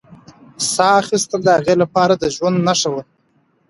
ساه اخیستل د هغې لپاره د ژوند نښه وه.